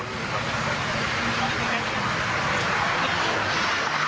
ผมเล่าอีกสัตว์เครื่องผมเอามาชน